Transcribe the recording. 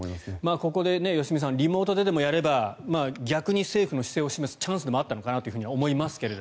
ここで良純さんリモートででもやれば逆に政府の姿勢を示すチャンスでもあったのかなと思いますが。